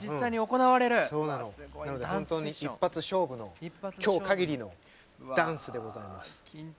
なので本当に一発勝負の今日限りのダンスでございます。